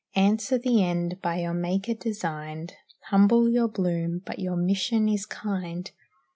Answer the end by your Maker designed. Humble your bloom, but your mission is kind.